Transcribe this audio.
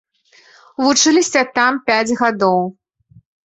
Вучыліся там пяць гадоў.